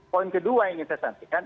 poin kedua yang ingin saya sampaikan